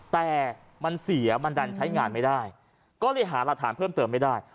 แต่มันเสียมันดันใช้งานไม่ได้ก็เลยหารักฐานเพิ่มเติมไม่ได้